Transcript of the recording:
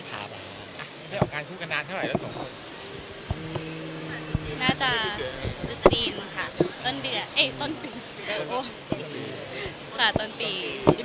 ชาวต้นปี